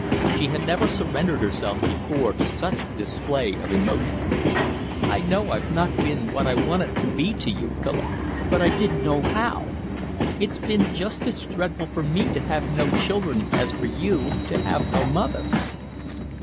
She had never surrendered herself before to such a display of emotion. "I know I've not been what I wanted to be to you, Philip, but I didn't know how. It's been just as dreadful for me to have no children as for you to have no mother."